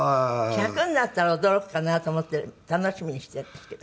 １００になったら驚くかなと思って楽しみにしているんですけど。